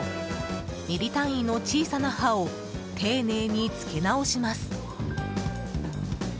ミリ単位の小さな歯を丁寧に付け直します。